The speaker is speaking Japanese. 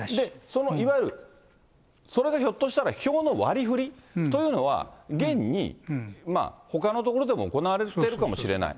そのいわゆる、それがひょっとしたら票の割りふりというのは、現にほかの所でも行われてるかもしれない。